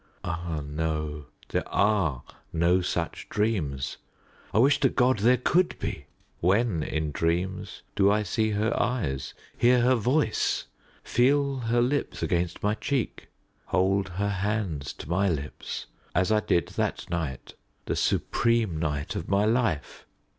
Ah, no there are no such dreams. I wish to God there could be. When in dreams do I see her eyes, hear her voice, feel her lips against my cheek, hold her hands to my lips, as I did that night the supreme night of my life?